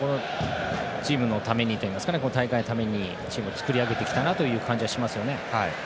チームのためにといいますかこの大会のためにチームを作り上げてきたなという感じがしますね。